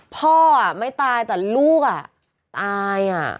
พ่อไม่ตายแต่ลูกตาย